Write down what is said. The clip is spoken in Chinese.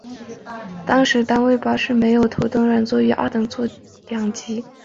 当时的单层巴士设有头等软座及二等硬座两级。